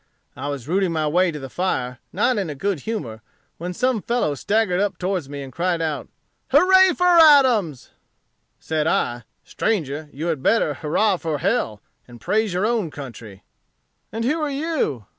I was rooting my way to the fire, not in a good humor, when some fellow staggered up towards me, and cried out, 'Hurrah for Adams.' "Said I, 'Stranger, you had better hurrah for hell, and praise your own country.' "'And who are you?